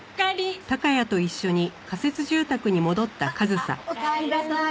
あっおかえりなさい。